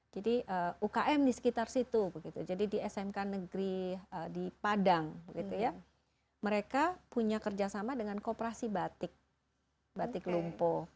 jadi ukm di sekitar situ jadi di smk negeri di padang mereka punya kerjasama dengan kooperasi batik batik lumpo